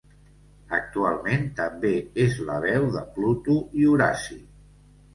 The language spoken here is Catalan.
Actualment, també és la veu de Pluto i Horaci.